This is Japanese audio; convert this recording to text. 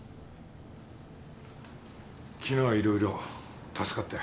昨日はいろいろ助かったよ。